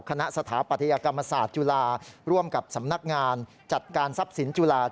สถาปัตยกรรมศาสตร์จุฬาร่วมกับสำนักงานจัดการทรัพย์สินจุฬา